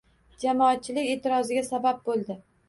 Jamoatchilik e'tiroziga sabab bo'ldi.